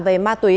về ma túy